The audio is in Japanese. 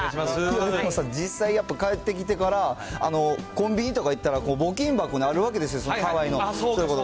でもさ、実際やっぱさ、帰ってきてから、コンビニとか行ったら、募金箱があるわけですよ、ハワイの、そういうこと。